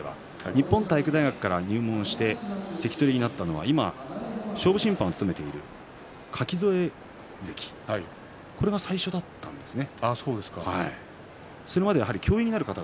日本体育大学から入門して関取になったのは勝負審判を務めている垣添関それが最初だったんですね。